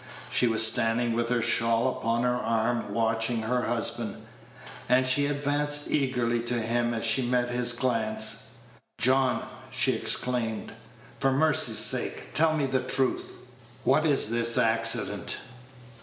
She was standing with her shawl upon her arm, watching her husband; and she advanced eagerly to him as she met his glance. "John," she exclaimed, "for mercy's sake, tell me the truth! What is this accident?"